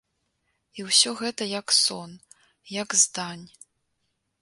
І ўсё гэта як сон, як здань.